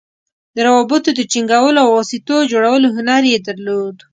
د روابطو د ټینګولو او واسطو جوړولو هنر یې درلود.